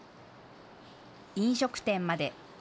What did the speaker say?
飲食店まで。